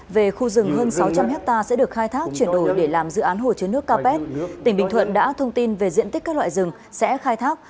về khu rừng hơn sáu trăm linh hectare sẽ được khai thác chuyển đổi để làm dự án hồ chứa nước capet tỉnh bình thuận đã thông tin về diện tích các loại rừng sẽ khai thác